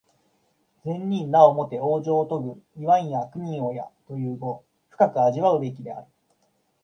善人なおもて往生をとぐ、いわんや悪人をやという語、深く味わうべきである。